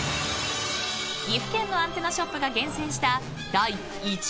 ［岐阜県のアンテナショップが厳選した］